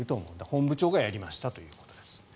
本部長がやりましたということです。